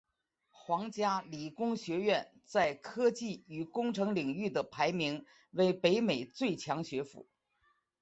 皇家理工学院在科技与工程领域的排名为北欧最强学府。